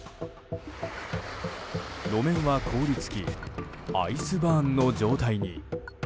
路面は凍りつきアイスバーンの状態に。